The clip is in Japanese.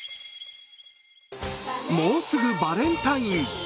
もうすぐバレンタイン。